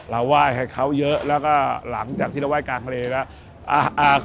ไหว้ให้เขาเยอะแล้วก็หลังจากที่เราไห้กลางทะเลแล้ว